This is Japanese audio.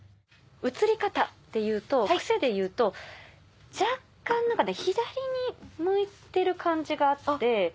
映り方で言うと癖で言うと若干左に向いてる感じがあって。